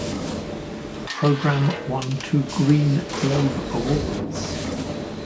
The program won two Green Globe Awards.